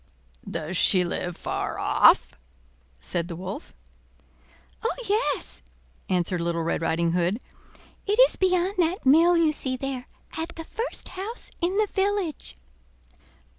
"Does she live far off?" said the Wolf. "Oh! yes," answered Little Red Riding Hood; "it is beyond that mill you see there, at the first house in the village."